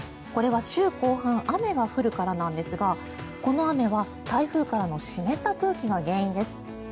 これは週後半雨が降るからなんですがこの雨は台風からの湿った空気が原因です。